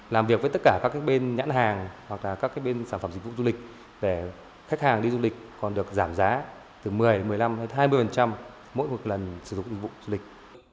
làm việc với tất cả các bên nhãn hàng hoặc là các bên sản phẩm dịch vụ du lịch để khách hàng đi du lịch còn được giảm giá từ một mươi một mươi năm hai mươi mỗi một lần sử dụng dịch vụ du lịch